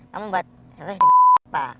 kamu buat status itu apa